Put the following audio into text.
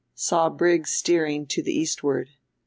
Saw brig steering to the Eastward.